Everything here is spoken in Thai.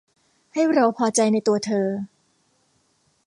ให้เราพอใจในตัวเธอ